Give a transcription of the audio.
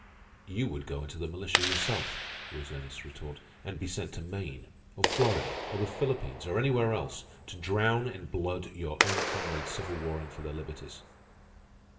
"You would go into the militia yourself," was Ernest's retort, "and be sent to Maine, or Florida, or the Philippines, or anywhere else, to drown in blood your own comrades civil warring for their liberties.